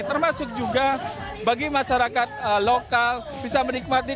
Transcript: termasuk juga bagi masyarakat lokal bisa menikmati